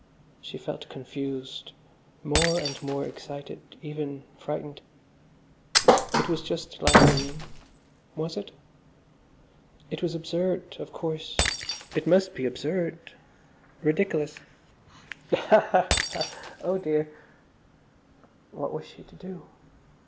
She felt confused, more and more excited, even frightened. It was just like William. Was it? It was absurd, of course, it must be absurd, ridiculous. "Ha, ha, ha! Oh dear!" What was she to do?